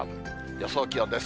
予想気温です。